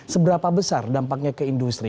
seberapa besar dampaknya ke industri